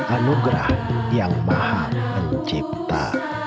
anugerah yang maha mencipta